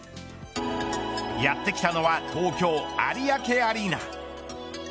やってきたのは東京・有明アリーナ。